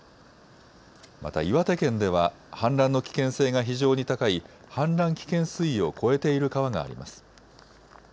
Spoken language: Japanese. また、岩手県では氾濫の危険性が非常に高い氾濫危険水位を超えている川があります。